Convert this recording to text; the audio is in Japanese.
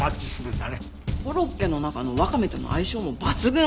コロッケの中のワカメとの相性も抜群！